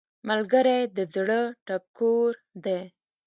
ملګری د زړه ټکور دی